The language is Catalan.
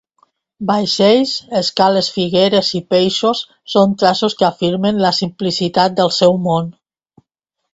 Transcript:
Vaixells, escales figueres i peixos són traços que afirmen la simplicitat del seu món.